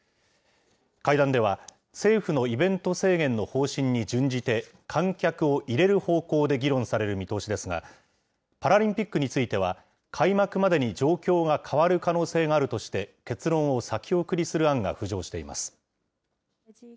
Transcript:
会談では、政府のイベント制限の方針に準じて、観客を入れる方向で議論される見通しですが、パラリンピックについては、開幕までに状況が変わる可能性があるとして、結論を先送りする案が浮上しています。